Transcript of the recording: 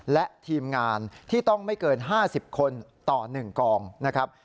และทีมงานที่ต้องไม่เกิน๕๐คนต่อ๑กองนะครับ